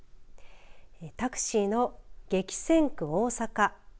タクシーの激戦区、大阪。